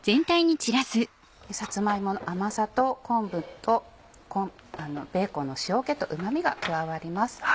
さつま芋の甘さと昆布とベーコンの塩気とうま味が加わります。